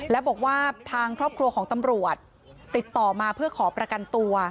และบอกว่าทางครอบครัวของตำรวจติดต่อมาเพื่อขอประกันตัว